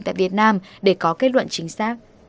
tại việt nam để có kết luận chính xác